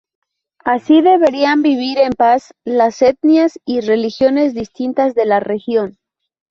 Así deberían vivir en paz las etnias y religiones distintas de la región.